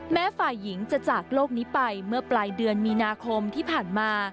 แม้ฝ่ายหญิงจะจากโลกนี้ไปเมื่อปลายเดือนมีนาคมที่ผ่านมา